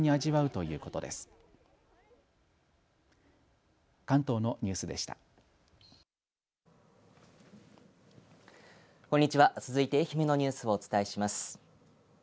続いて愛媛のニュースをお伝えします。